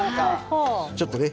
ちょっとね。